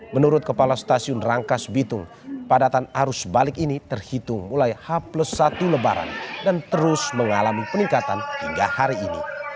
menurut kepala stasiun rangkas bitung padatan arus balik ini terhitung mulai h plus satu lebaran dan terus mengalami peningkatan hingga hari ini